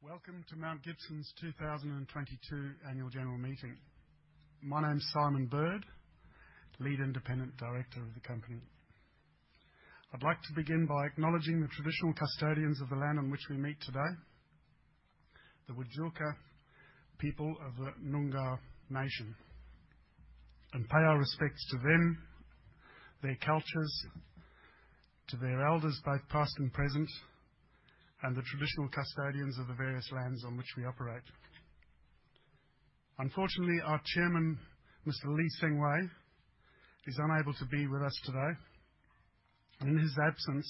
Welcome to Mount Gibson's 2022 Annual General Meeting. My name's Simon Bird, Lead Independent Director of the company. I'd like to begin by acknowledging the traditional custodians of the land on which we meet today, the Whadjuk people of the Noongar nation, and pay our respects to them, their cultures, to their elders, both past and present, and the traditional custodians of the various lands on which we operate. Unfortunately, our chairman, Mr. Lee Seng Hui, is unable to be with us today, and in his absence,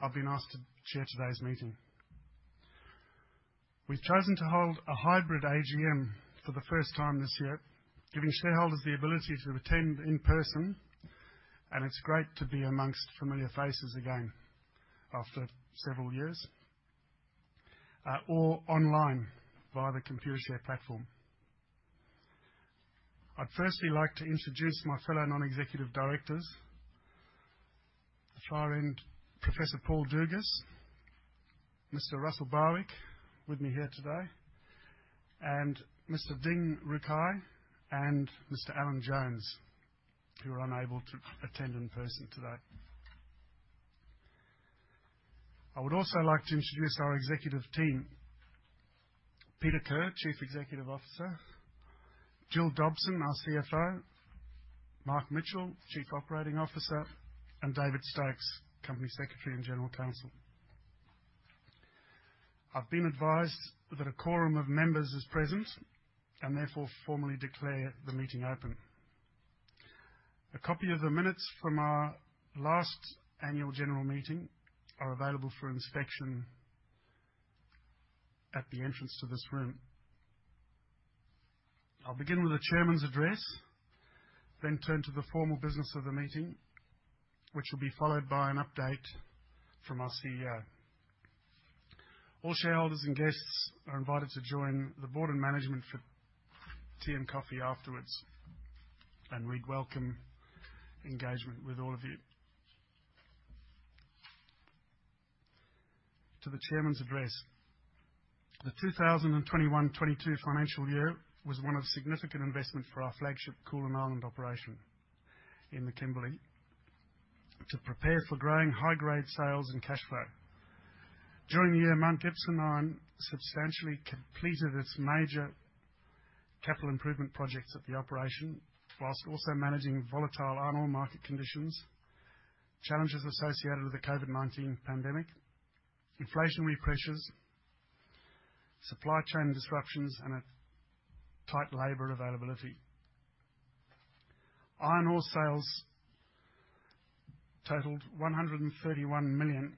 I've been asked to chair today's meeting. We've chosen to hold a hybrid AGM for the first time this year, giving shareholders the ability to attend in person, and it's great to be amongst familiar faces again after several years, or online via the Computershare platform. I'd firstly like to introduce my fellow non-executive directors. At the far end, Professor Paul Dougas, Mr. Russell Barwick, with me here today, and Mr. Ding Rucai, and Mr. Alan Jones, who are unable to attend in person today. I would also like to introduce our executive team, Peter Kerr, Chief Executive Officer, Gill Dobson, our CFO, Mark Mitchell, Chief Operating Officer, and David Stokes, Company Secretary and General Counsel. I've been advised that a quorum of members is present and therefore formally declare the meeting open. A copy of the minutes from our last Annual General Meeting are available for inspection at the entrance to this room. I'll begin with the Chairman's Address, then turn to the formal business of the meeting, which will be followed by an update from our CEO. All shareholders and guests are invited to join the Board and Management for tea and coffee afterwards, and we'd welcome engagement with all of you. To the Chairman's Address. The 2021-2022 financial year was one of significant investment for our flagship Koolan Island operation in the Kimberley to prepare for growing high-grade sales and cash flow. During the year, Mount Gibson Iron substantially completed its major capital improvement projects at the operation while also managing volatile iron ore market conditions, challenges associated with the COVID-19 pandemic, inflationary pressures, supply chain disruptions, and a tight labor availability. Iron ore sales totaled 131 million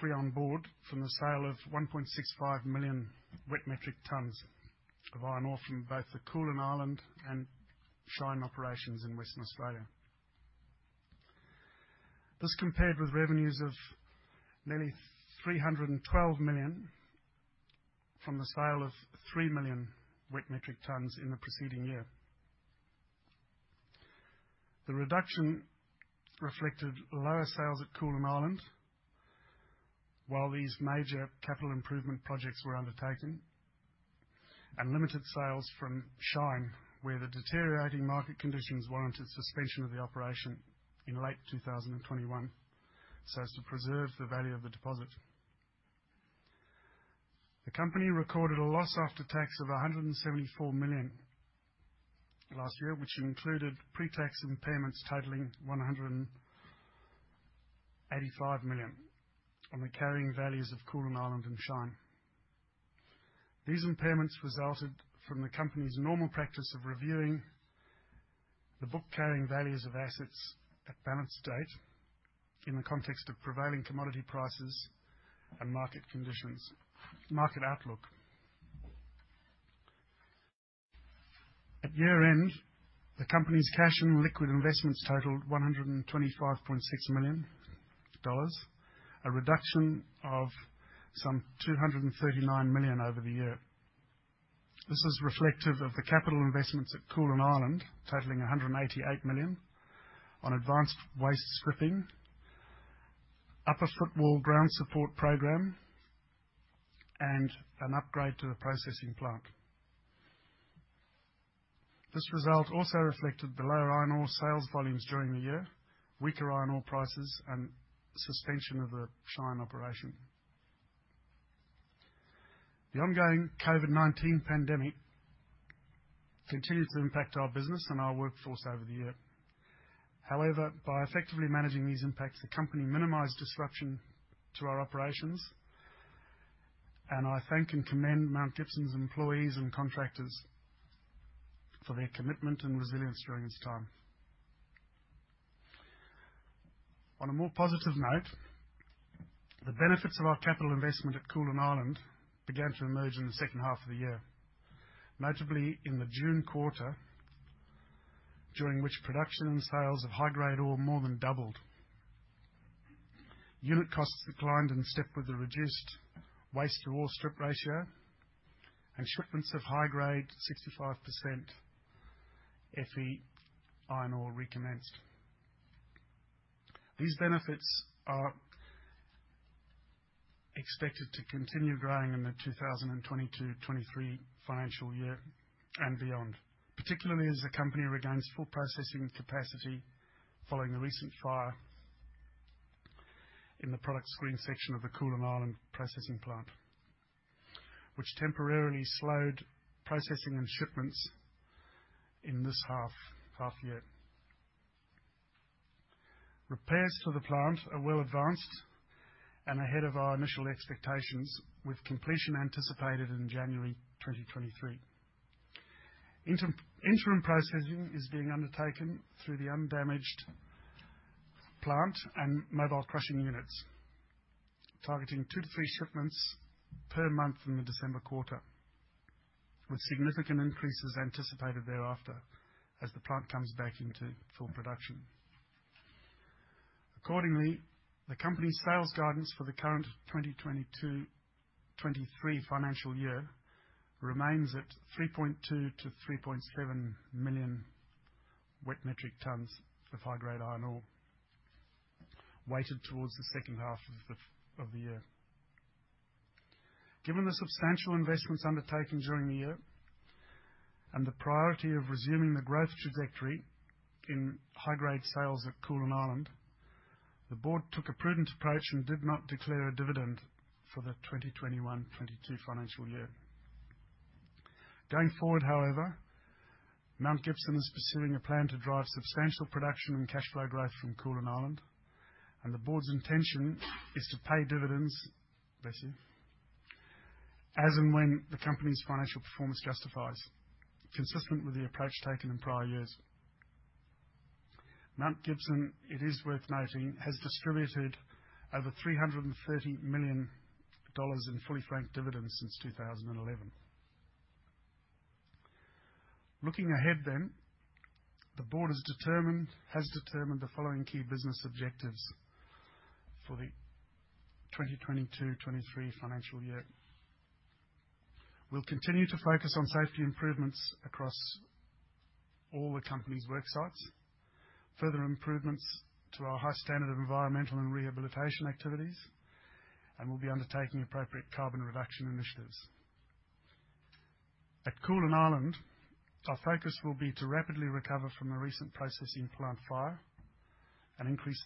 free on board from the sale of 1.65 million wet metric tons of iron ore from both the Koolan Island and Shine operations in Western Australia. This compared with revenues of nearly 312 million from the sale of 3 million wet metric tons in the preceding year. The reduction reflected lower sales at Koolan Island while these major capital improvement projects were undertaken and limited sales from Shine, where the deteriorating market conditions warranted suspension of the operation in late 2021 so as to preserve the value of the deposit. The company recorded a loss after tax of 174 million last year, which included pre-tax impairments totaling 185 million on the carrying values of Koolan Island and Shine. These impairments resulted from the company's normal practice of reviewing the book carrying values of assets at balance date in the context of prevailing commodity prices and market conditions. Market outlook. At year-end, the company's cash and liquid investments totaled 125.6 million dollars, a reduction of some 239 million over the year. This is reflective of the capital investments at Koolan Island, totaling 188 million on advanced waste stripping, upper footwall ground support program, and an upgrade to the processing plant. This result also reflected the lower iron ore sales volumes during the year, weaker iron ore prices, and suspension of the Shine operation. The ongoing COVID-19 pandemic continued to impact our business and our workforce over the year. However, by effectively managing these impacts, the company minimized disruption to our operations, and I thank and commend Mount Gibson's employees and contractors for their commitment and resilience during this time. On a more positive note, the benefits of our capital investment at Koolan Island began to emerge in the second half of the year, notably in the June quarter, during which production and sales of high-grade ore more than doubled. Unit costs declined in step with the reduced waste-to-ore strip ratio and shipments of high-grade 65% Fe iron ore recommenced. These benefits are expected to continue growing in the 2022-2023 financial year and beyond, particularly as the company regains full processing capacity following the recent fire in the product screen section of the Koolan Island processing plant, which temporarily slowed processing and shipments in this half year. Repairs to the plant are well advanced and ahead of our initial expectations, with completion anticipated in January 2023. Interim processing is being undertaken through the undamaged plant and mobile crushing units, targeting two to three shipments per month in the December quarter, with significant increases anticipated thereafter as the plant comes back into full production. Accordingly, the company's sales guidance for the current 2022-2023 financial year remains at 3.2 million-3.7 million wet metric tons of high-grade iron ore, weighted towards the second half of the year. Given the substantial investments undertaken during the year and the priority of resuming the growth trajectory in high-grade sales at Koolan Island, the Board took a prudent approach and did not declare a dividend for the 2021-2022 financial year. Going forward, however, Mount Gibson is pursuing a plan to drive substantial production and cash flow growth from Koolan Island, and the Board's intention is to pay dividends, bless you, as and when the company's financial performance justifies, consistent with the approach taken in prior years. Mount Gibson, it is worth noting, has distributed over 330 million dollars in fully franked dividends since 2011. Looking ahead, the Board has determined the following key business objectives for the 2022-2023 financial year. We'll continue to focus on safety improvements across all the company's work sites, further improvements to our high standard of environmental and rehabilitation activities, and we'll be undertaking appropriate carbon reduction initiatives. At Koolan Island, our focus will be to rapidly recover from the recent processing plant fire and increase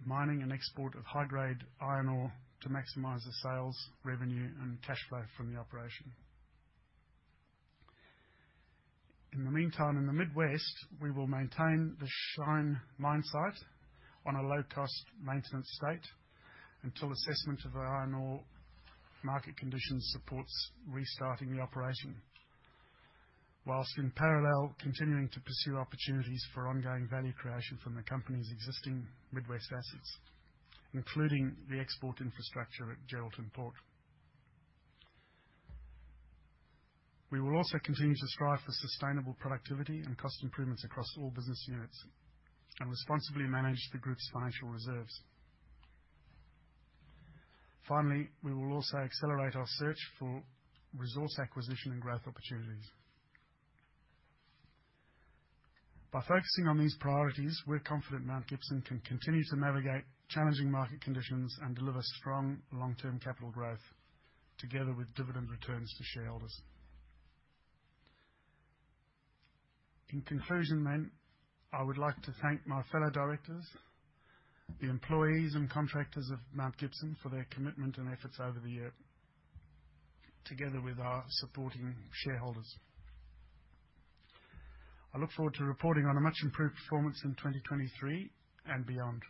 the mining and export of high-grade iron ore to maximize the sales revenue and cash flow from the operation. In the meantime, in the Mid West, we will maintain the Shine mine site on a low-cost maintenance state until assessment of the iron ore market conditions supports restarting the operation. While in parallel, continuing to pursue opportunities for ongoing value creation from the company's existing Mid West assets, including the export infrastructure at Geraldton Port. We will also continue to strive for sustainable productivity and cost improvements across all business units and responsibly manage the group's financial reserves. Finally, we will also accelerate our search for resource acquisition and growth opportunities. By focusing on these priorities, we're confident Mount Gibson can continue to navigate challenging market conditions and deliver strong long-term capital growth together with dividend returns for shareholders. In conclusion, I would like to thank my fellow directors, the employees and contractors of Mount Gibson for their commitment and efforts over the year, together with our supporting shareholders. I look forward to reporting on a much improved performance in 2023 and beyond.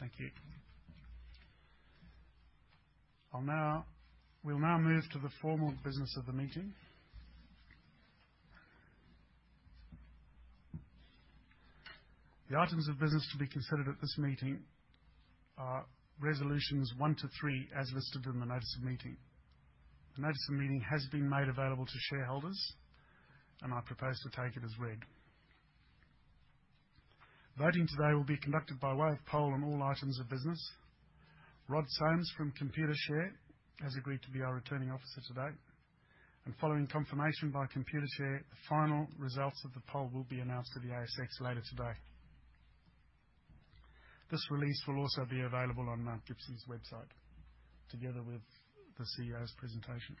Thank you. We'll now move to the formal business of the meeting. The items of business to be considered at this meeting are resolutions one to three as listed in the notice of meeting. The notice of meeting has been made available to shareholders, and I propose to take it as read. Voting today will be conducted by way of poll on all items of business. [Rod Sams] from Computershare has agreed to be our Returning Officer today, and following confirmation by Computershare, the final results of the poll will be announced to the ASX later today. This release will also be available on Mount Gibson's website together with the CEO's presentation.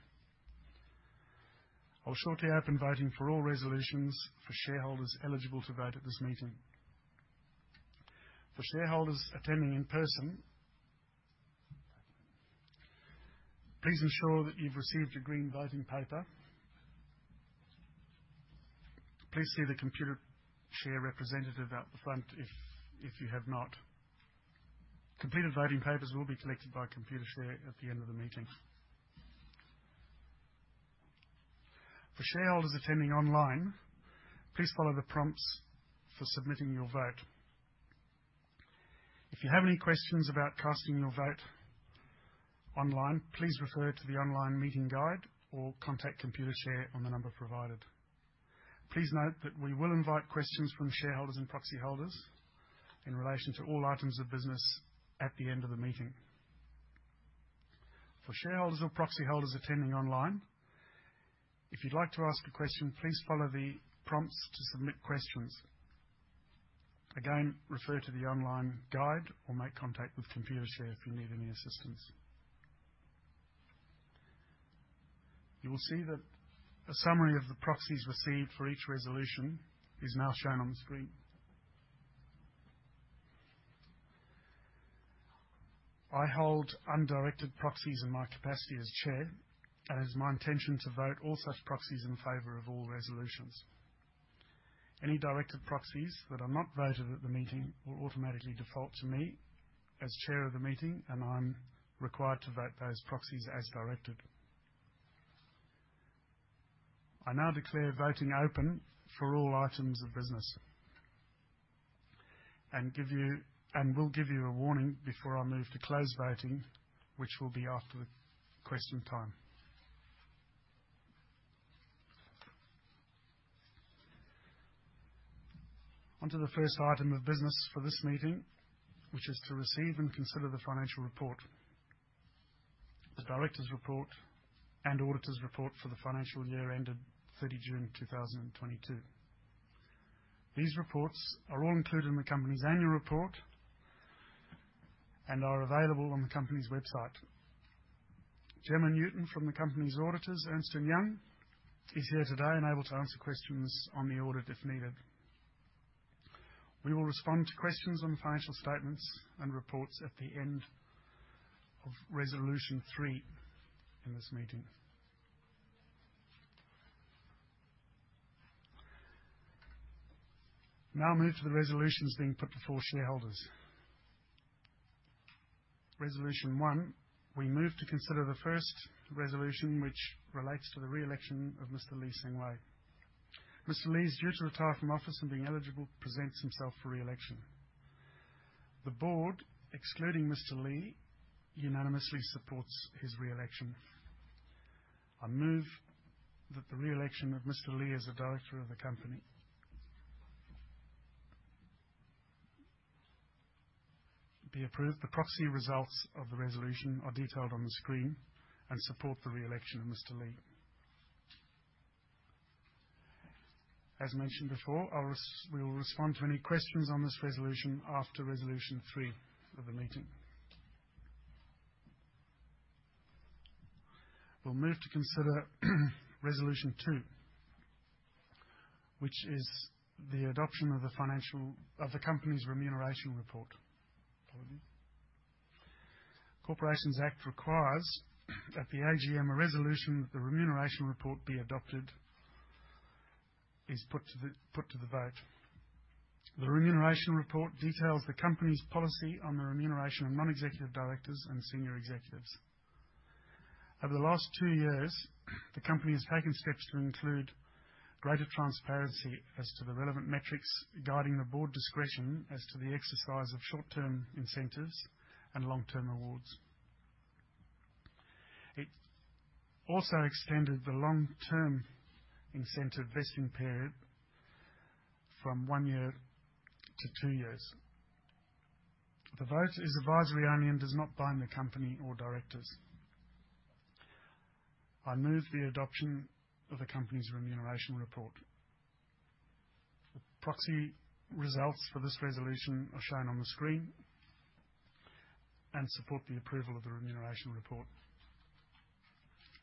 I'll shortly open voting for all resolutions for shareholders eligible to vote at this meeting. For shareholders attending in person, please ensure that you've received your green voting paper. Please see the Computershare representative out the front if you have not. Completed voting papers will be collected by Computershare at the end of the meeting. For shareholders attending online, please follow the prompts for submitting your vote. If you have any questions about casting your vote online, please refer to the online meeting guide or contact Computershare on the number provided. Please note that we will invite questions from shareholders and proxy holders in relation to all items of business at the end of the meeting. For shareholders or proxy holders attending online, if you'd like to ask a question, please follow the prompts to submit questions. Again, refer to the online guide or make contact with Computershare if you need any assistance. You will see that a summary of the proxies received for each resolution is now shown on the screen. I hold undirected proxies in my capacity as chair, and it's my intention to vote all such proxies in favor of all resolutions. Any directed proxies that are not voted at the meeting will automatically default to me as chair of the meeting, and I'm required to vote those proxies as directed. I now declare voting open for all items of business and will give you a warning before I move to close voting, which will be after the question time. On to the first item of business for this meeting, which is to receive and consider the financial report, the directors' report, and auditors' report for the financial year ended 30 June 2022. These reports are all included in the company's annual report and are available on the company's website. Jemma Newton from the company's auditors, Ernst & Young, is here today and able to answer questions on the audit if needed. We will respond to questions on the financial statements and reports at the end of resolution three in this meeting. Now I move to the resolutions being put before shareholders. Resolution one, we move to consider the first resolution, which relates to the re-election of Mr. Lee Seng Hui. Mr. Lee is due to retire from office and being eligible, presents himself for re-election. The Board, excluding Mr. Lee, unanimously supports his re-election. I move that the re-election of Mr. Lee as a director of the company be approved. The proxy results of the resolution are detailed on the screen and support the re-election of Mr. Lee. As mentioned before, we will respond to any questions on this resolution after resolution three of the meeting. We'll move to consider resolution two, which is the adoption of the company's remuneration report. Pardon me. Corporations Act requires that at the AGM, a resolution that the remuneration report be adopted is put to the vote. The remuneration report details the company's policy on the remuneration of non-executive directors and senior executives. Over the last two years, the company has taken steps to include greater transparency as to the relevant metrics guiding the Board discretion as to the exercise of short-term incentives and long-term rewards. It also extended the long-term incentive vesting period from one year to two years. The vote is advisory only and does not bind the company or directors. I move the adoption of the company's remuneration report. The proxy results for this resolution are shown on the screen and support the approval of the remuneration report.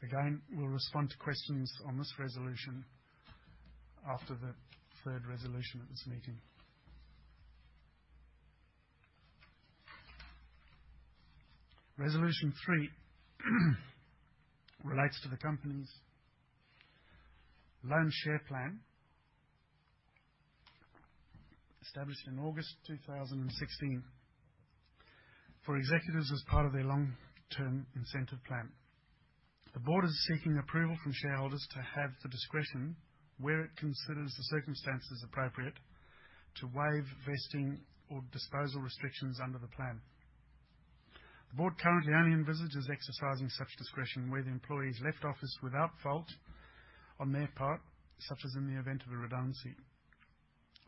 Again, we'll respond to questions on this resolution after the third resolution at this meeting. Resolution three relates to the company's Loan Share Plan established in August 2016 for executives as part of their long-term incentive plan. The Board is seeking approval from shareholders to have the discretion where it considers the circumstances appropriate to waive vesting or disposal restrictions under the plan. The Board currently only envisages exercising such discretion where the employee has left office without fault on their part, such as in the event of a redundancy.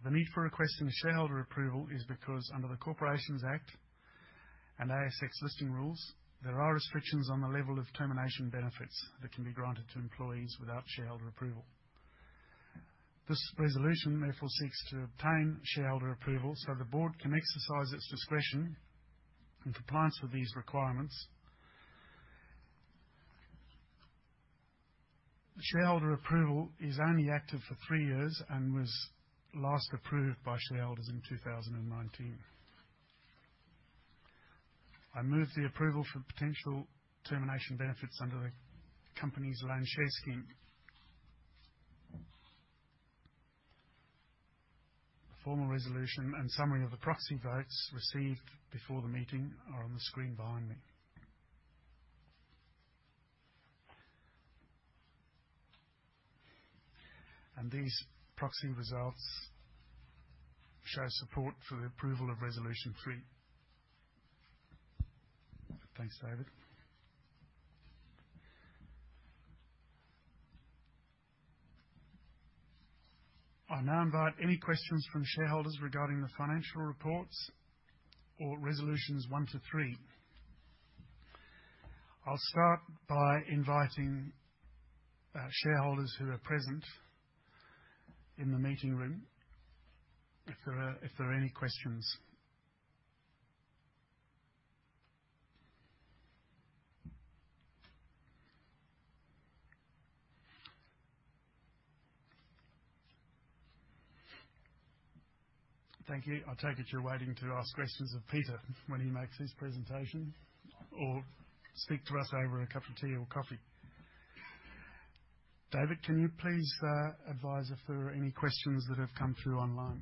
The need for requesting shareholder approval is because under the Corporations Act and ASX Listing Rules, there are restrictions on the level of termination benefits that can be granted to employees without shareholder approval. This resolution therefore seeks to obtain shareholder approval so the Board can exercise its discretion in compliance with these requirements. The shareholder approval is only active for three years and was last approved by shareholders in 2019. I move the approval for potential termination benefits under the company's Loan Share scheme. The formal resolution and summary of the proxy votes received before the meeting are on the screen behind me. These proxy results show support for the approval of resolution three. Thanks, David. I now invite any questions from shareholders regarding the financial reports or resolutions one to three. I'll start by inviting shareholders who are present in the meeting room if there are any questions. Thank you. I take it you're waiting to ask questions of Peter when he makes his presentation or speak to us over a cup of tea or coffee. David, can you please advise if there are any questions that have come through online?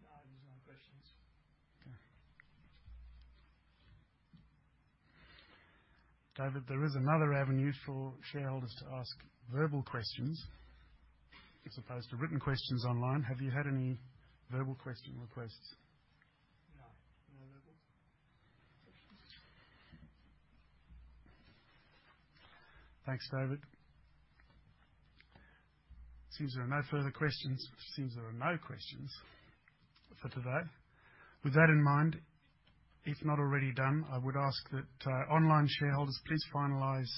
No, there's no questions. Okay. David, there is another avenue for shareholders to ask verbal questions as opposed to written questions online. Have you had any verbal question requests? No. No verbals. Thanks, David. Seems there are no further questions. Seems there are no questions for today. With that in mind, if not already done, I would ask that online shareholders please finalize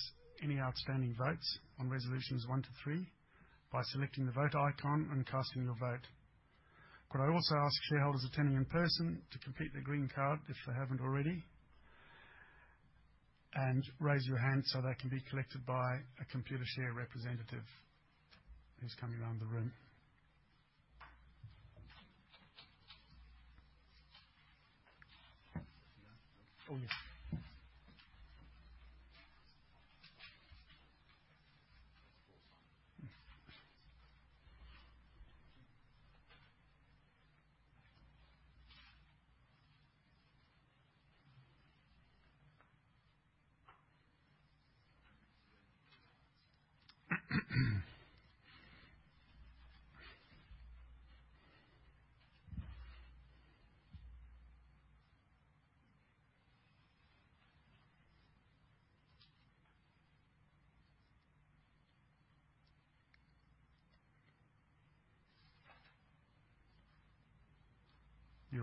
any outstanding votes on resolutions one to three by selecting the Vote icon and casting your vote. Could I also ask shareholders attending in person to complete the green card if they haven't already, and raise your hand so they can be collected by a Computershare representative who's coming around the room. Oh, yes.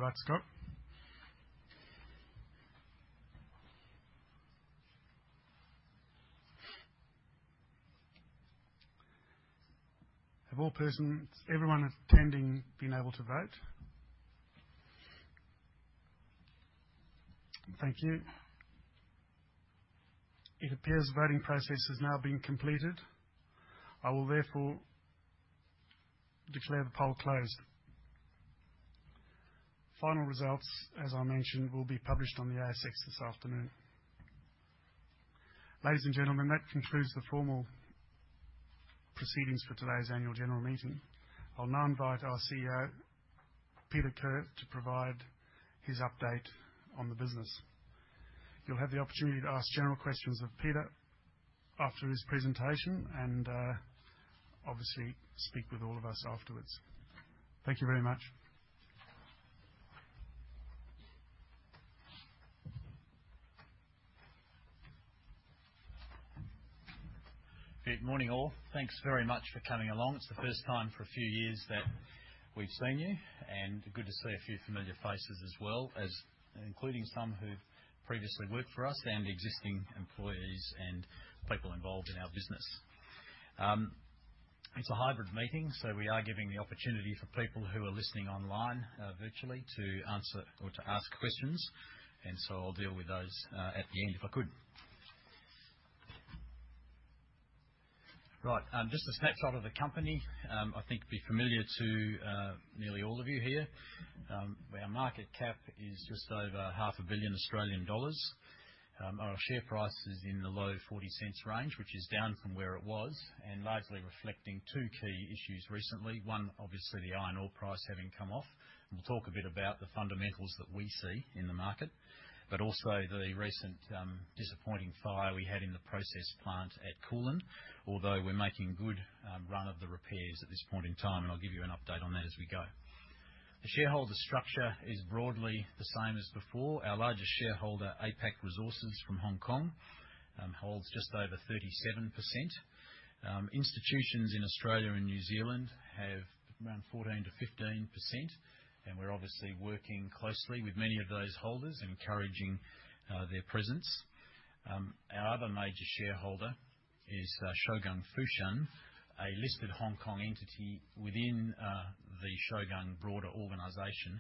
All right, Scott? Have all persons, everyone attending been able to vote? Thank you. It appears the voting process has now been completed. I will therefore declare the poll closed. Final results, as I mentioned, will be published on the ASX this afternoon. Ladies and gentlemen, that concludes the formal proceedings for today's Annual General Meeting. I'll now invite our CEO, Peter Kerr, to provide his update on the business. You'll have the opportunity to ask general questions of Peter after his presentation and, obviously, speak with all of us afterwards. Thank you very much. Good morning, all. Thanks very much for coming along. It's the first time for a few years that we've seen you, and good to see a few familiar faces as well as including some who've previously worked for us and existing employees and people involved in our business. It's a hybrid meeting, so we are giving the opportunity for people who are listening online, virtually to answer or to ask questions, and so I'll deal with those at the end if I could. Right. Just a snapshot of the company, I think will be familiar to nearly all of you here. Our market cap is just over 500,000 Australian dollars. Our share price is in the low 0.40 range, which is down from where it was and largely reflecting two key issues recently. One, obviously the iron ore price having come off. We'll talk a bit about the fundamentals that we see in the market, but also the recent disappointing fire we had in the process plant at Koolan. Although we're making good run of the repairs at this point in time, and I'll give you an update on that as we go. The shareholder structure is broadly the same as before. Our largest shareholder, APAC Resources from Hong Kong, holds just over 37%. Institutions in Australia and New Zealand have around 14%-15%, and we're obviously working closely with many of those holders, encouraging their presence. Our other major shareholder is Shougang Fushan, a listed Hong Kong entity within the Shougang broader organization,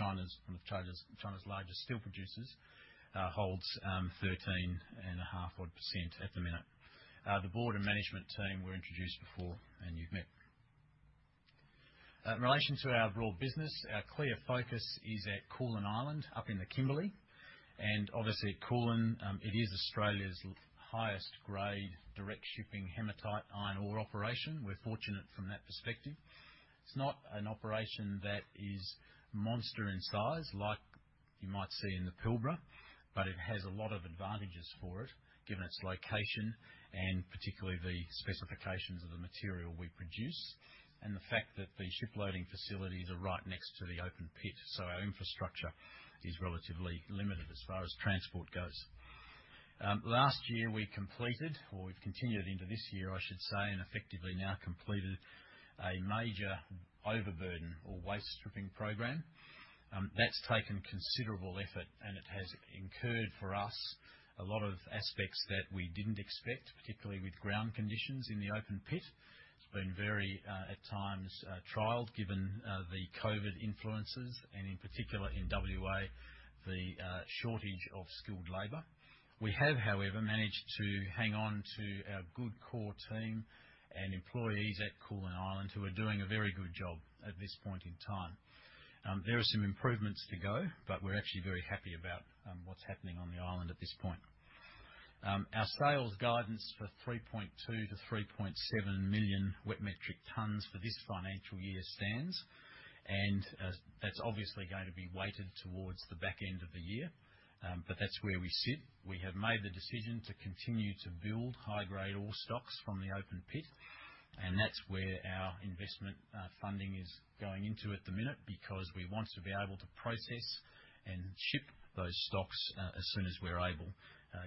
one of China's largest steel producers, holds 13.5% odd at the minute. The Board and Management team were introduced before, and you've met. In relation to our ore business, our clear focus is at Koolan Island up in the Kimberley. Obviously at Koolan, it is Australia's highest grade direct shipping hematite iron ore operation. We're fortunate from that perspective. It's not an operation that is monster in size like you might see in the Pilbara, but it has a lot of advantages for it, given its location and particularly the specifications of the material we produce and the fact that the ship loading facilities are right next to the open pit. Our infrastructure is relatively limited as far as transport goes. Last year we completed or we've continued into this year, I should say, and effectively now completed a major overburden or waste stripping program. That's taken considerable effort, and it has incurred for us a lot of costs that we didn't expect, particularly with ground conditions in the open pit. It's been very trying at times given the COVID influences and in particular in WA, the shortage of skilled labor. We have, however, managed to hang on to our good core team and employees at Koolan Island who are doing a very good job at this point in time. There are some improvements to go, but we're actually very happy about what's happening on the island at this point. Our sales guidance for 3.2 million-3.7 million wet metric tons for this financial year stands. That's obviously going to be weighted towards the back end of the year. That's where we sit. We have made the decision to continue to build high-grade ore stocks from the open pit, and that's where our investment funding is going into at the minute because we want to be able to process and ship those stocks as soon as we're able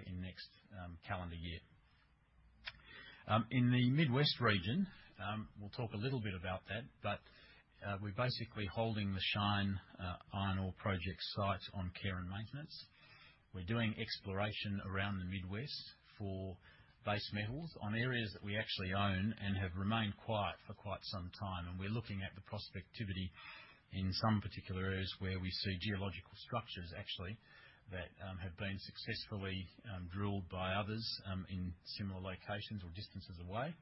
in next calendar year. In the Mid West region, we'll talk a little bit about that. We're basically holding the Shine Iron Ore Project site on care and maintenance. We're doing exploration around the Mid West for base metals on areas that we actually own and have remained quiet for quite some time. We're looking at the prospectivity in some particular areas where we see geological structures actually that have been successfully drilled by others in similar locations or distances away.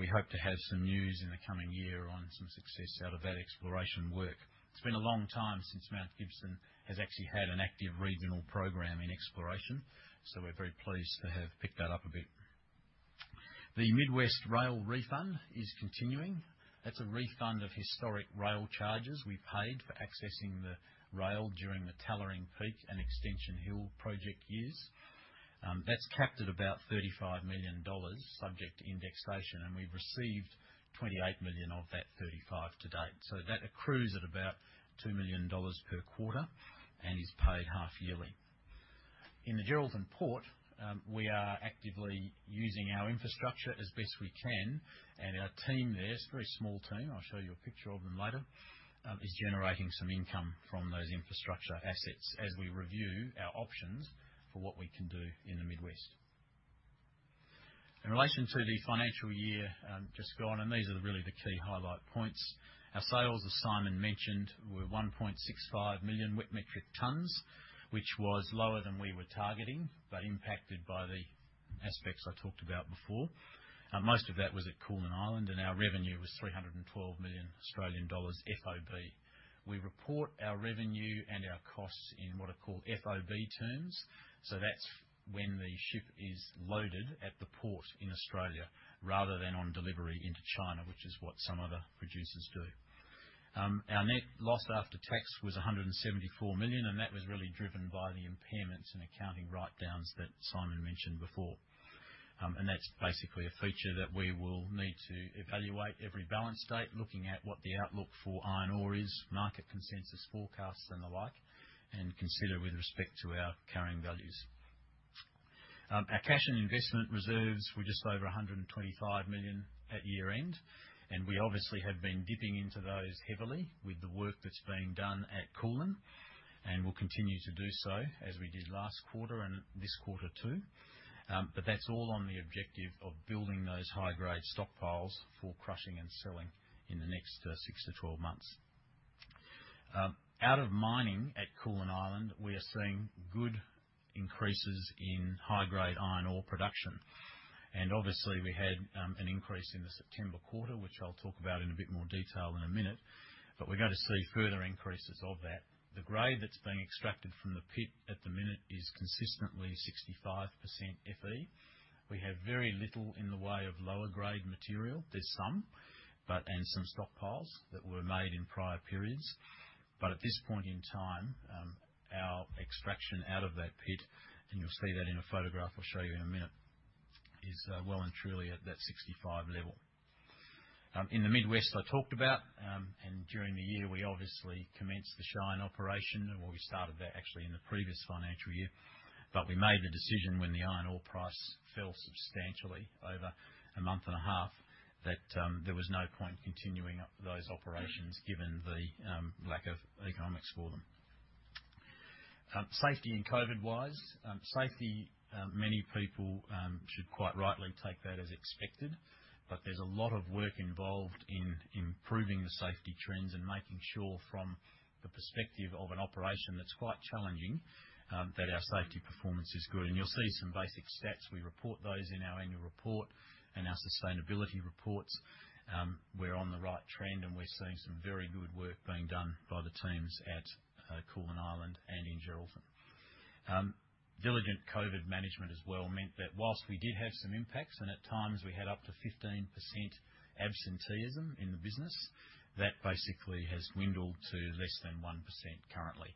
We hope to have some news in the coming year on some success out of that exploration work. It's been a long time since Mount Gibson has actually had an active regional program in exploration, so we're very pleased to have picked that up a bit. The Mid West Rail Refund is continuing. That's a refund of historic rail charges we paid for accessing the rail during the Tallering Peak and Extension Hill project years. That's capped at about AUD 35 million subject to indexation, and we've received AUD 28 million of that 35 million to date. That accrues at about AUD 2 million per quarter and is paid half-yearly. In the Geraldton Port, we are actively using our infrastructure as best we can, and our team there, it's a very small team, I'll show you a picture of them later, is generating some income from those infrastructure assets as we review our options for what we can do in the Mid West. In relation to the financial year just gone, these are really the key highlight points. Our sales, as Simon mentioned, were 1.65 million wet metric tons, which was lower than we were targeting, but impacted by the aspects I talked about before. Most of that was at Koolan Island, and our revenue was 312 million Australian dollars FOB. We report our revenue and our costs in what are called FOB terms. That's when the ship is loaded at the port in Australia rather than on delivery into China, which is what some other producers do. Our net loss after tax was 174 million, and that was really driven by the impairments and accounting write-downs that Simon mentioned before. That's basically a feature that we will need to evaluate every balance date, looking at what the outlook for iron ore is, market consensus forecasts and the like, and consider with respect to our carrying values. Our cash and investment reserves were just over 125 million at year-end, and we obviously have been dipping into those heavily with the work that's being done at Koolan and will continue to do so as we did last quarter and this quarter too. That's all on the objective of building those high-grade stockpiles for crushing and selling in the next six to 12 months. Out of mining at Koolan Island, we are seeing good increases in high-grade iron ore production. Obviously we had an increase in the September quarter, which I'll talk about in a bit more detail in a minute, but we're going to see further increases of that. The grade that's being extracted from the pit at the minute is consistently 65% Fe. We have very little in the way of lower grade material. There's some, and some stockpiles that were made in prior periods. At this point in time, our extraction out of that pit, and you'll see that in a photograph I'll show you in a minute, is well and truly at that 65% level. In the Mid West I talked about, and during the year we obviously commenced the Shine operation or we started that actually in the previous financial year. We made the decision when the iron ore price fell substantially over a month and a half, that there was no point continuing those operations given the lack of economics for them. Safety and COVID-wise, many people should quite rightly take that as expected. There's a lot of work involved in improving the safety trends and making sure from the perspective of an operation that's quite challenging, that our safety performance is good. You'll see some basic stats. We report those in our annual report and our sustainability reports. We're on the right trend, and we're seeing some very good work being done by the teams at Koolan Island and in Geraldton. Diligent COVID management as well meant that while we did have some impacts and at times we had up to 15% absenteeism in the business, that basically has dwindled to less than 1% currently.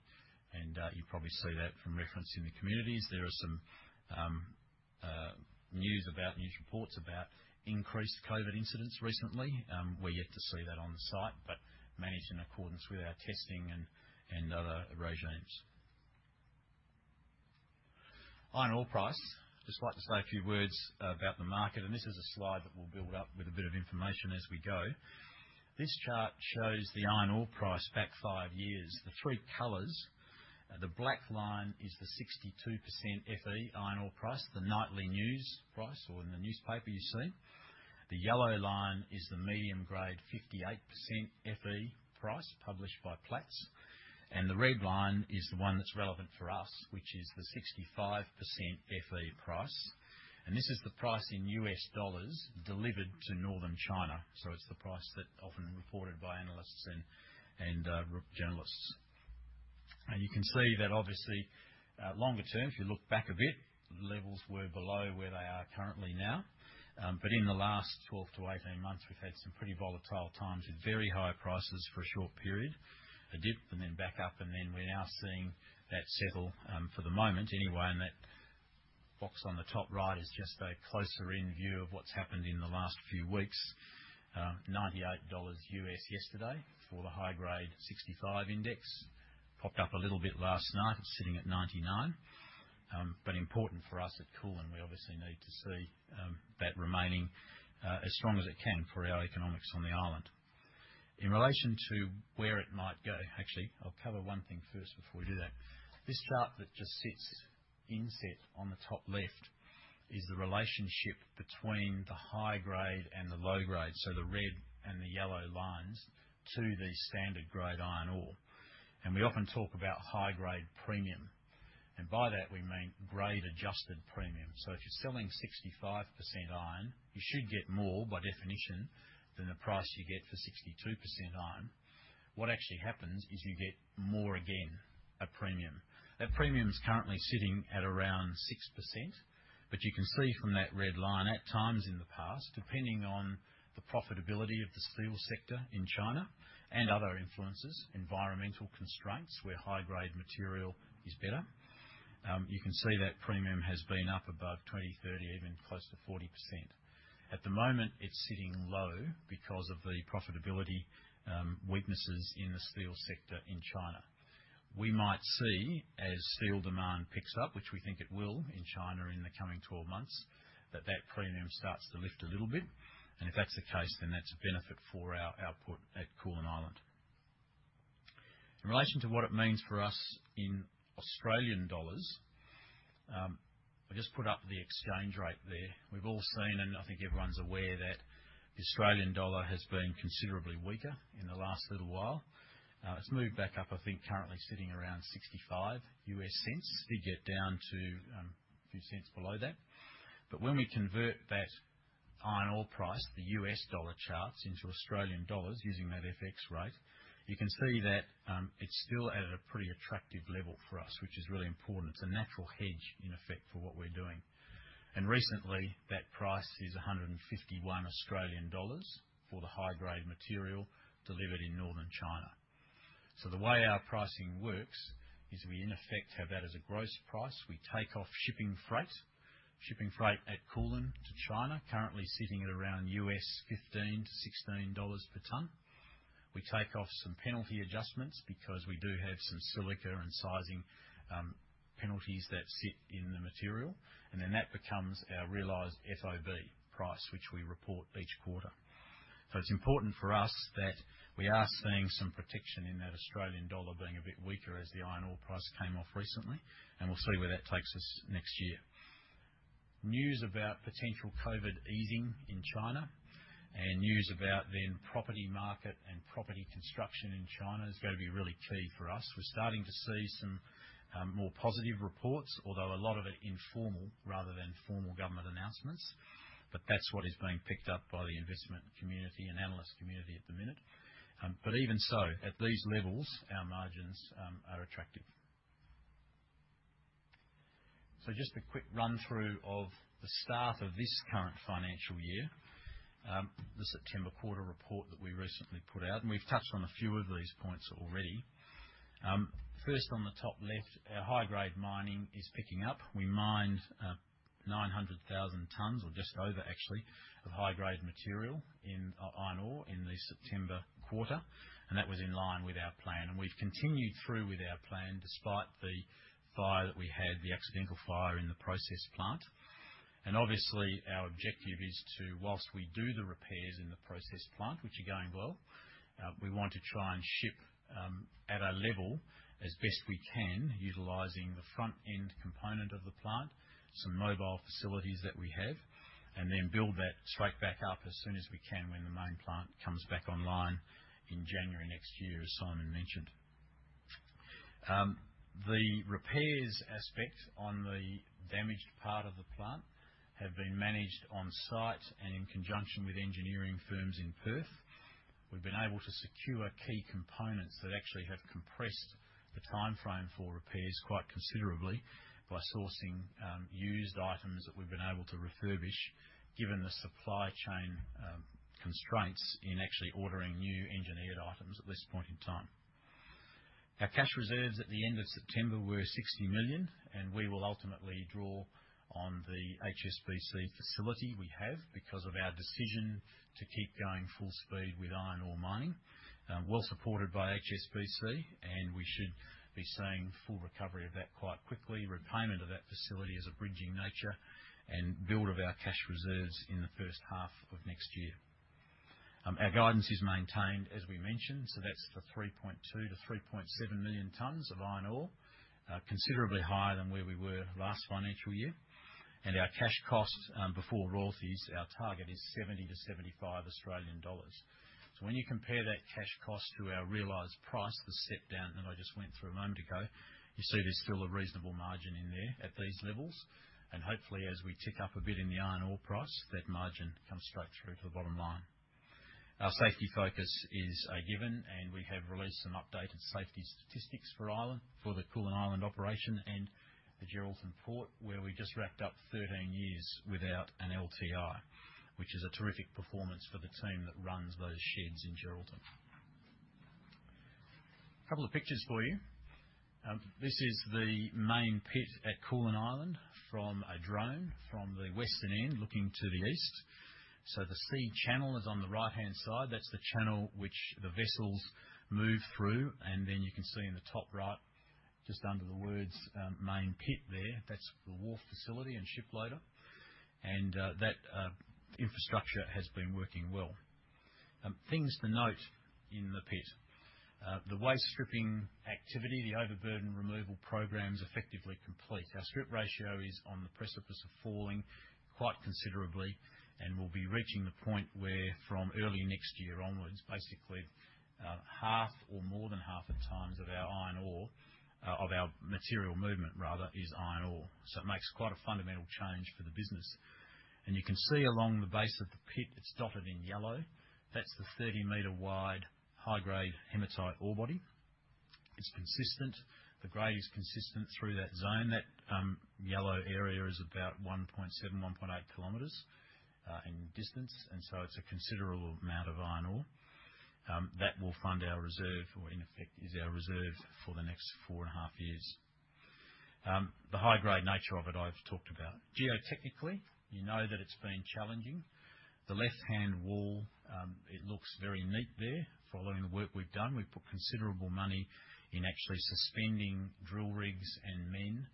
You probably see that from reference in the communities. There are some news about news reports about increased COVID incidents recently. We're yet to see that on the site, but managed in accordance with our testing and other regimes. Iron ore price. Just like to say a few words about the market, and this is a slide that we'll build up with a bit of information as we go. This chart shows the iron ore price back five years. The three colors, the black line is the 62% Fe iron ore price, the nightly news price, or in the newspaper you see. The yellow line is the medium grade 58% Fe price published by Platts. The red line is the one that's relevant for us, which is the 65% Fe price. This is the price in U.S. dollars delivered to northern China. It's the price that often reported by analysts and journalists. You can see that obviously, longer term, if you look back a bit, levels were below where they are currently now. But in the last 12 to 18 months, we've had some pretty volatile times with very high prices for a short period. A dip and then back up, and then we're now seeing that settle, for the moment anyway. That box on the top right is just a closer in view of what's happened in the last few weeks. $98 yesterday for the high-grade 65 index. Popped up a little bit last night. It's sitting at $99. But important for us at Koolan, we obviously need to see that remaining as strong as it can for our economics on the island. In relation to where it might go. Actually, I'll cover one thing first before we do that. This chart that just sits inset on the top left is the relationship between the high-grade and the low-grade, so the red and the yellow lines to the standard grade iron ore. We often talk about high-grade premium, and by that we mean grade-adjusted premium. If you're selling 65% iron, you should get more by definition than the price you get for 62% iron. What actually happens is you get more again, a premium. That premium is currently sitting at around 6%. You can see from that red line, at times in the past, depending on the profitability of the steel sector in China and other influences, environmental constraints where high-grade material is better. You can see that premium has been up above 20%, 30%, even close to 40%. At the moment it's sitting low because of the profitability, weaknesses in the steel sector in China. We might see as steel demand picks up, which we think it will in China in the coming 12 months, that that premium starts to lift a little bit. If that's the case, then that's a benefit for our output at Koolan Island. In relation to what it means for us in Australian dollars. I just put up the exchange rate there. We've all seen, and I think everyone's aware that the Australian dollar has been considerably weaker in the last little while. It's moved back up, I think currently sitting around $0.65. Did get down to a few cents below that. But when we convert that iron ore price, the U.S. dollar charts into Australian dollars using that FX rate, you can see that it's still at a pretty attractive level for us, which is really important. It's a natural hedge in effect for what we're doing. Recently that price is 151 Australian dollars for the high-grade material delivered in northern China. The way our pricing works is we in effect have that as a gross price. We take off shipping freight, shipping freight at Koolan to China, currently sitting at around $15-$16 per ton. We take off some penalty adjustments because we do have some silica and sizing penalties that sit in the material, and then that becomes our realized FOB price, which we report each quarter. It's important for us that we are seeing some protection in that Australian dollar being a bit weaker as the iron ore price came off recently, and we'll see where that takes us next year. News about potential COVID easing in China and news about then property market and property construction in China is going to be really key for us. We're starting to see some more positive reports, although a lot of it informal rather than formal government announcements. That's what is being picked up by the investment community and analyst community at the minute. Even so, at these levels, our margins are attractive. Just a quick run through of the start of this current financial year. The September quarter report that we recently put out, and we've touched on a few of these points already. First on the top left, our high-grade mining is picking up. We mined 900,000 tons or just over actually of high-grade material in iron ore in the September quarter, and that was in line with our plan. We've continued through with our plan despite the fire that we had, the accidental fire in the process plant. Obviously our objective is to, while we do the repairs in the process plant, which are going well, we want to try and ship at a level as best we can, utilizing the front end component of the plant, some mobile facilities that we have, and then build that straight back up as soon as we can when the main plant comes back online in January next year, as Simon mentioned. The repairs aspect on the damaged part of the plant have been managed on site and in conjunction with engineering firms in Perth. We've been able to secure key components that actually have compressed the timeframe for repairs quite considerably by sourcing used items that we've been able to refurbish, given the supply chain constraints in actually ordering new engineered items at this point in time. Our cash reserves at the end of September were 60 million, and we will ultimately draw on the HSBC facility we have because of our decision to keep going full speed with iron ore mining. Well supported by HSBC, and we should be seeing full recovery of that quite quickly. Repayment of that facility is of bridging nature and build of our cash reserves in the first half of next year. Our guidance is maintained as we mentioned, so that's for 3.2 million-3.7 million tons of iron ore, considerably higher than where we were last financial year. Our cash costs, before royalties, our target is 70-75 Australian dollars. When you compare that cash cost to our realized price, the set down that I just went through a moment ago, you see there's still a reasonable margin in there at these levels. Hopefully, as we tick up a bit in the iron ore price, that margin comes straight through to the bottom line. Our safety focus is a given, and we have released some updated safety statistics for island, for the Koolan Island operation and the Geraldton Port, where we just wrapped up 13 years without an LTI. Which is a terrific performance for the team that runs those sheds in Geraldton. Couple of pictures for you. This is the Main Pit at Koolan Island from a drone from the western end looking to the east. The sea channel is on the right-hand side. That's the channel which the vessels move through. You can see in the top right, just under the words, Main Pit there, that's the wharf facility and ship loader. That infrastructure has been working well. Things to note in the pit. The waste stripping activity, the overburden removal program's effectively complete. Our strip ratio is on the precipice of falling quite considerably and will be reaching the point where from early next year onwards, basically, half or more than half the tons of our iron ore, of our material movement rather, is iron ore. It makes quite a fundamental change for the business. You can see along the base of the pit, it's dotted in yellow. That's the 30 m wide high-grade hematite ore body. It's consistent. The grade is consistent through that zone. That yellow area is about 1.7 km-1.8 km in distance, and so it's a considerable amount of iron ore. That will fund our reserve or in effect is our reserve for the next four and a half years. The high-grade nature of it, I've talked about. Geotechnically, you know that it's been challenging. The left-hand wall, it looks very neat there following the work we've done. We've put considerable money in actually suspending drill rigs and men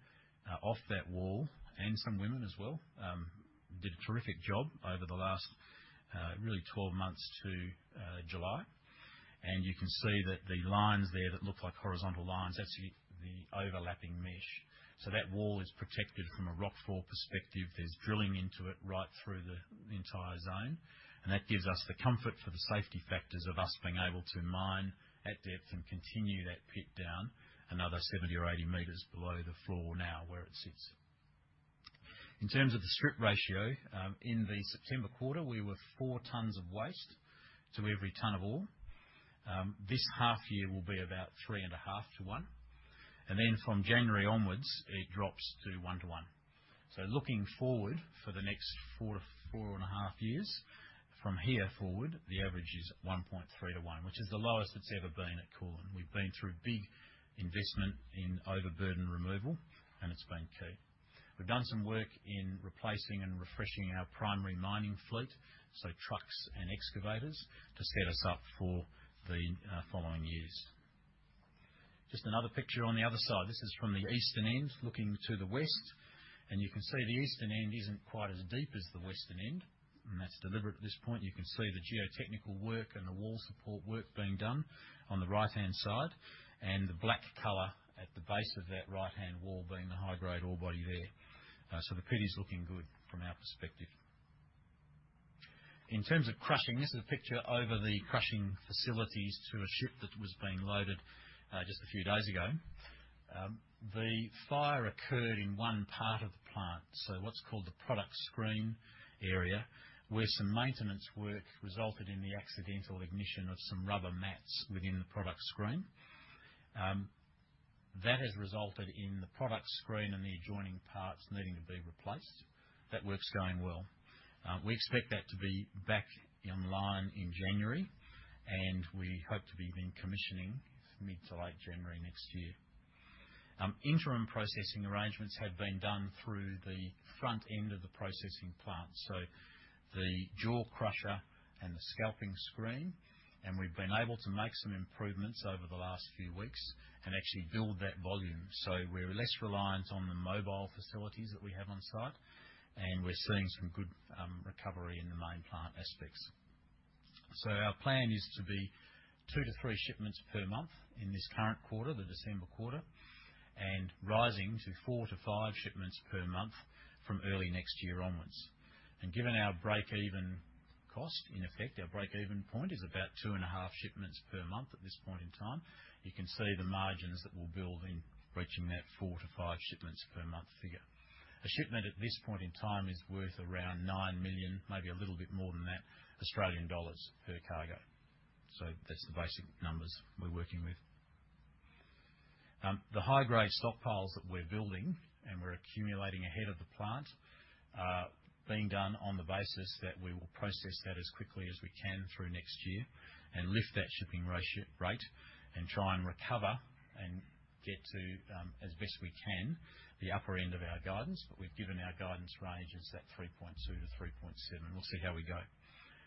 off that wall, and some women as well. Did a terrific job over the last really 12 months to July. You can see that the lines there that look like horizontal lines, that's the overlapping mesh. That wall is protected from a rock fall perspective. There's drilling into it right through the entire zone. That gives us the comfort for the safety factors of us being able to mine at depth and continue that pit down another 70 m or 80 m below the floor now where it sits. In terms of the strip ratio, in the September quarter, we were 4 tons of waste to every ton of ore. This half year will be about 3.5 to 1. Then from January onwards, it drops to 1 to 1. Looking forward for the next four to four and a half years, from here forward, the average is 1.3 to 1, which is the lowest it's ever been at Koolan. We've been through big investment in overburden removal, and it's been key. We've done some work in replacing and refreshing our primary mining fleet, so trucks and excavators, to set us up for the following years. Just another picture on the other side. This is from the eastern end, looking to the west. You can see the eastern end isn't quite as deep as the western end, and that's deliberate at this point. You can see the geotechnical work and the wall support work being done on the right-hand side, and the black color at the base of that right-hand wall being the high-grade ore body there. So the pit is looking good from our perspective. In terms of crushing, this is a picture over the crushing facilities to a ship that was being loaded just a few days ago. The fire occurred in one part of the plant, so what's called the product screen area. Where some maintenance work resulted in the accidental ignition of some rubber mats within the product screen. That has resulted in the product screen and the adjoining parts needing to be replaced. That work's going well. We expect that to be back online in January, and we hope to be then commissioning mid to late January next year. Interim processing arrangements have been done through the front end of the processing plant. The jaw crusher and the scalping screen, and we've been able to make some improvements over the last few weeks and actually build that volume. We're less reliant on the mobile facilities that we have on site, and we're seeing some good recovery in the main plant aspects. Our plan is to be two to three shipments per month in this current quarter, the December quarter. Rising to four to five shipments per month from early next year onwards. Given our break-even cost, in effect, our break-even point is about two and a half shipments per month at this point in time. You can see the margins that we'll build in reaching that four to five shipments per month figure. A shipment at this point in time is worth around 9 million, maybe a little bit more than that, per cargo. That's the basic numbers we're working with. The high-grade stockpiles that we're building and we're accumulating ahead of the plant are being done on the basis that we will process that as quickly as we can through next year and lift that shipping rate and try and recover and get to, as best we can, the upper end of our guidance. We've given our guidance range as that 3.2-3.7. We'll see how we go.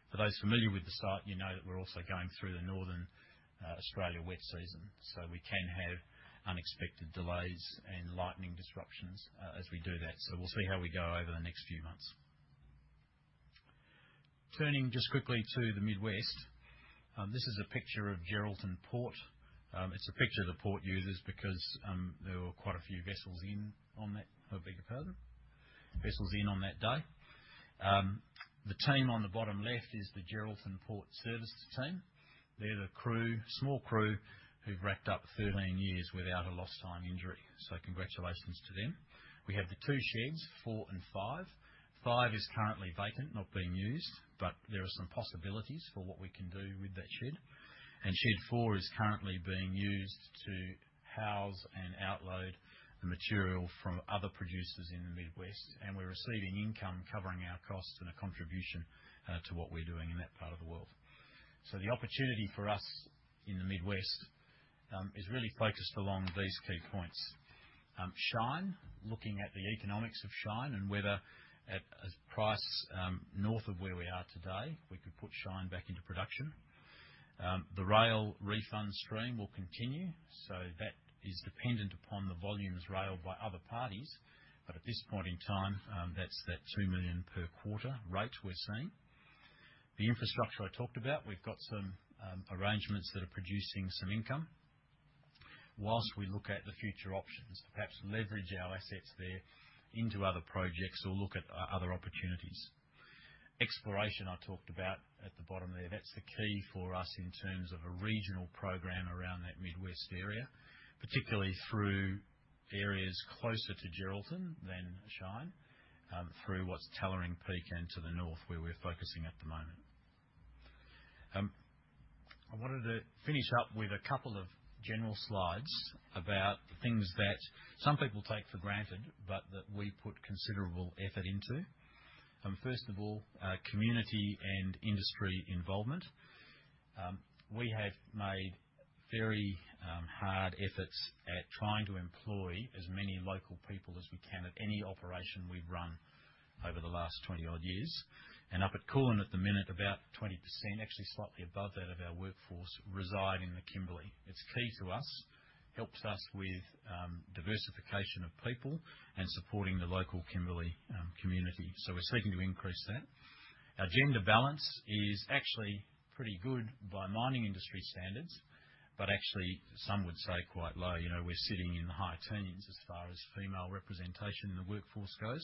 For those familiar with the site, you know that we're also going through the northern Australia wet season, so we can have unexpected delays and lightning disruptions as we do that. We'll see how we go over the next few months. Turning just quickly to the Mid West. This is a picture of Geraldton Port. It's a picture of the port users because there were quite a few vessels in on that day. The team on the bottom left is the Geraldton Port Services team. They're the crew, small crew, who've racked up 13 years without a lost time injury. Congratulations to them. We have the two sheds, four and five. Five is currently vacant, not being used, but there are some possibilities for what we can do with that shed. Shed four is currently being used to house and outload the material from other producers in the Mid West, and we're receiving income covering our costs and a contribution to what we're doing in that part of the world. The opportunity for us in the Mid West is really focused along these key points. Shine, looking at the economics of Shine and whether at a price north of where we are today, we could put Shine back into production. The Rail Refund Stream will continue, so that is dependent upon the volumes railed by other parties. At this point in time, that's the 2 million per quarter rate we're seeing. The infrastructure I talked about, we've got some arrangements that are producing some income. While we look at the future options, perhaps leverage our assets there into other projects or look at other opportunities. Exploration I talked about at the bottom there. That's the key for us in terms of a regional program around that Mid West area, particularly through areas closer to Geraldton than Shine, through what's Tallering Peak and to the north, where we're focusing at the moment. I wanted to finish up with a couple of general slides about the things that some people take for granted, but that we put considerable effort into. First of all, community and industry involvement. We have made very hard efforts at trying to employ as many local people as we can at any operation we've run over the last 20-odd years. Up at Koolan at the minute, about 20%, actually slightly above that, of our workforce reside in the Kimberley. It's key to us. Helps us with diversification of people and supporting the local Kimberley community. We're seeking to increase that. Our gender balance is actually pretty good by mining industry standards, but actually some would say quite low. You know, we're sitting in the high teens as far as female representation in the workforce goes.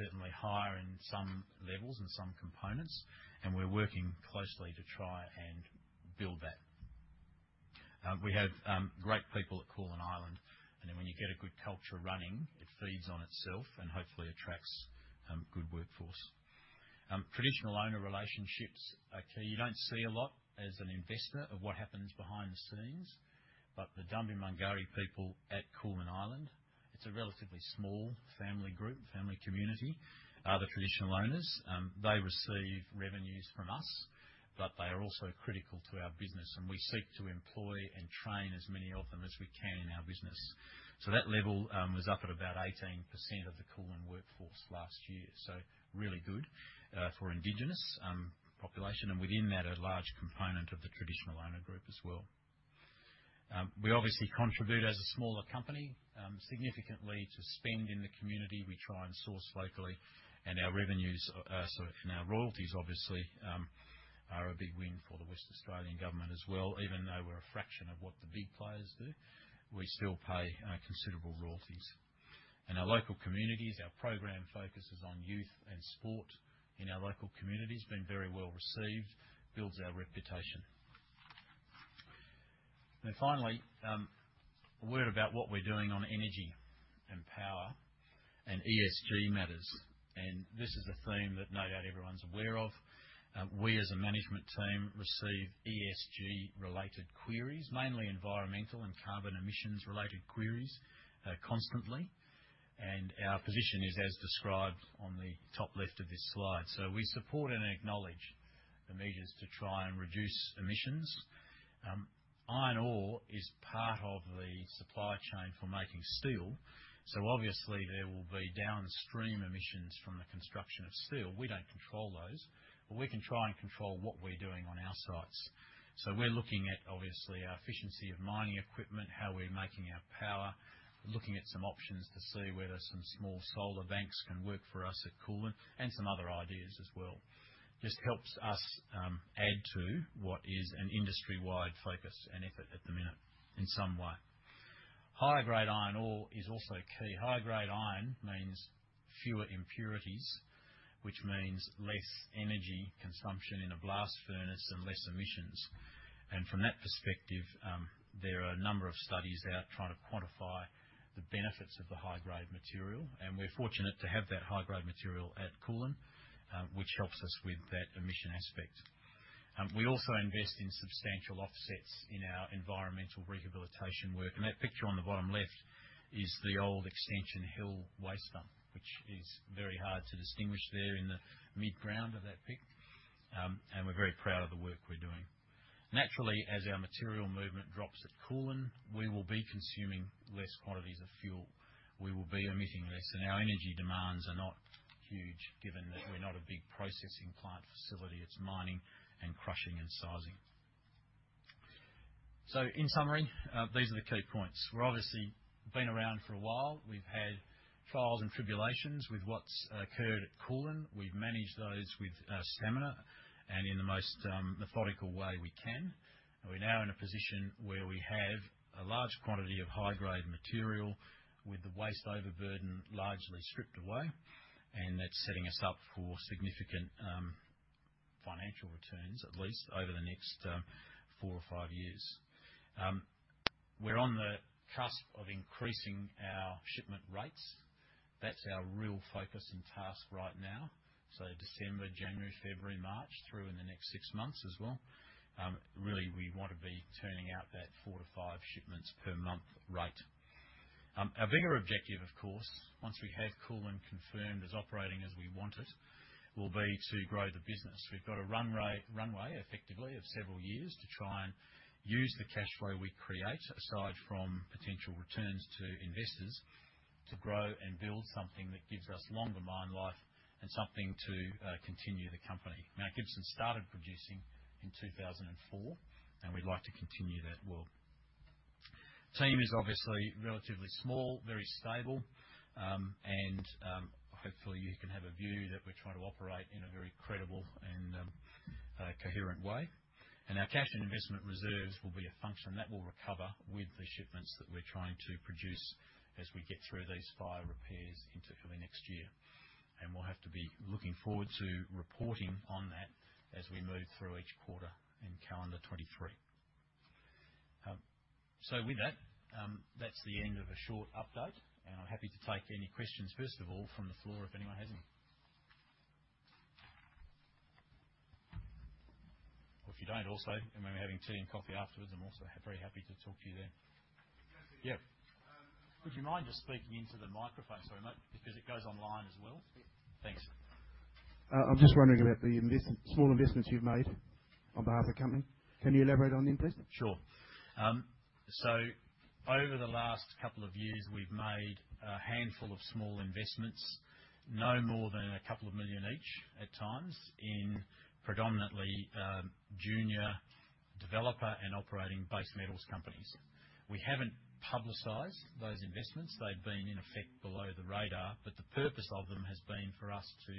Certainly higher in some levels and some components, and we're working closely to try and build that. We have great people at Koolan Island, and then when you get a good culture running, it feeds on itself and hopefully attracts good workforce. Traditional Owner relationships are key. You don't see a lot as an investor of what happens behind the scenes. The Dambimangari people at Koolan Island, it's a relatively small family group, family community, are the Traditional Owners. They receive revenues from us, but they are also critical to our business, and we seek to employ and train as many of them as we can in our business. That level was up at about 18% of the Koolan workforce last year. Really good for Indigenous population and within that, a large component of the Traditional Owner group as well. We obviously contribute as a smaller company, significantly to spend in the community. We try and source locally, and our royalties obviously are a big win for the Western Australian Government as well. Even though we're a fraction of what the big players do, we still pay considerable royalties. In our local communities, our program focuses on youth and sport in our local communities. Been very well received. Builds our reputation. Finally, a word about what we're doing on energy and power and ESG matters. This is a theme that no doubt everyone's aware of. We, as a management team, receive ESG-related queries, mainly environmental and carbon emissions-related queries, constantly. Our position is as described on the top left of this slide. We support and acknowledge the measures to try and reduce emissions. Iron ore is part of the supply chain for making steel, so obviously there will be downstream emissions from the construction of steel. We don't control those, but we can try and control what we're doing on our sites. We're looking at, obviously, our efficiency of mining equipment, how we're making our power. We're looking at some options to see whether some small solar banks can work for us at Koolan and some other ideas as well. Just helps us add to what is an industry-wide focus and effort at the minute in some way. High-grade iron ore is also key. High-grade iron means fewer impurities, which means less energy consumption in a blast furnace and less emissions. From that perspective, there are a number of studies out trying to quantify the benefits of the high-grade material, and we're fortunate to have that high-grade material at Koolan, which helps us with that emission aspect. We also invest in substantial offsets in our environmental rehabilitation work. That picture on the bottom left is the old Extension Hill waste dump, which is very hard to distinguish there in the middle ground of that pic. We're very proud of the work we're doing. Naturally, as our material movement drops at Koolan, we will be consuming less quantities of fuel. We will be emitting less, and our energy demands are not huge, given that we're not a big processing plant facility. It's mining and crushing and sizing. In summary, these are the key points. We're obviously been around for a while. We've had trials and tribulations with what's occurred at Koolan. We've managed those with stamina and in the most methodical way we can. We're now in a position where we have a large quantity of high-grade material, with the waste overburden largely stripped away. That's setting us up for significant financial returns, at least over the next four or five years. We're on the cusp of increasing our shipment rates. That's our real focus and task right now. December, January, February, March, through to the next six months as well. Really, we want to be turning out that four to five shipments per month rate. Our bigger objective, of course, once we have Koolan confirmed as operating as we want it, will be to grow the business. We've got a runway effectively of several years to try and use the cash flow we create, aside from potential returns to investors, to grow and build something that gives us longer mine life and something to continue the company. Mount Gibson started producing in 2004, and we'd like to continue that work. Team is obviously relatively small, very stable. Hopefully, you can have a view that we're trying to operate in a very credible and coherent way. Our cash and investment reserves will be a function. That will recover with the shipments that we're trying to produce as we get through these fire repairs into early next year. We'll have to be looking forward to reporting on that as we move through each quarter in calendar 2023. With that's the end of a short update. I'm happy to take any questions, first of all, from the floor, if anyone has any. If you don't, also, we're having tea and coffee afterwards. I'm also very happy to talk to you then. Yes. Yeah. Um, just one- Would you mind just speaking into the microphone, sorry, mate, because it goes online as well. Yeah. Thanks. I'm just wondering about the small investments you've made on behalf of the company. Can you elaborate on them, please? Sure. Over the last couple of years, we've made a handful of small investments, no more than a couple of million each at times, in predominantly junior developer and operating base metals companies. We haven't publicized those investments. They've been, in effect, below the radar. The purpose of them has been for us to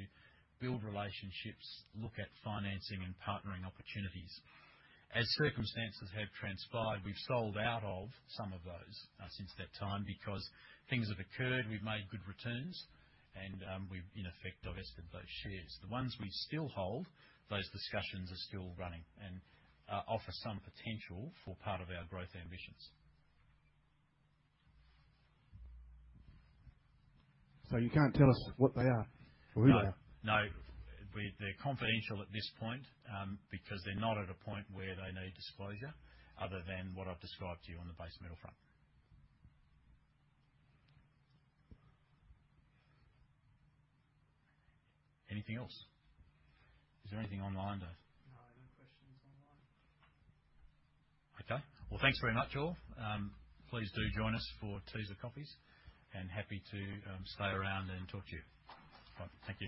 build relationships, look at financing and partnering opportunities. As circumstances have transpired, we've sold out of some of those since that time because things have occurred. We've made good returns and we've in effect divested those shares. The ones we still hold, those discussions are still running and offer some potential for part of our growth ambitions. you can't tell us what they are or who they are? No. No. They're confidential at this point, because they're not at a point where they need disclosure other than what I've described to you on the base metal front. Anything else? Is there anything online, Dave? No, no questions online. Okay. Well, thanks very much, all. Please do join us for teas and coffees, and happy to stay around and talk to you. Right. Thank you.